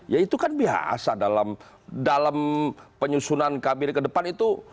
ya itu kan biasa dalam penyusunan kbri ke depan itu